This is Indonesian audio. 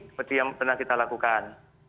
seperti yang pernah kita lakukan